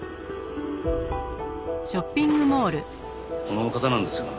この方なんですが。